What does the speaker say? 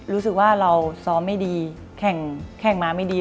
รู้สึกว่าเราซ้อมไม่ดีแข่งมาไม่ดี